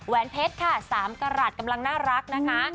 แวนเพชรค่ะ๓กรัสกำลังน่ารักนะคะ